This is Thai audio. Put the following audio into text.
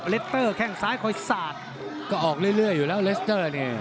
เล็กเตอร์แข้งซ้ายคอยสาดก็ออกเรื่อยอยู่แล้วเลสเตอร์เนี่ย